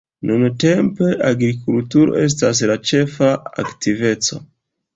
Nuntempe agrikulturo estas la ĉefa aktiveco.